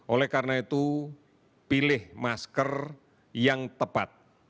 oleh karena itu pilih masker yang tepat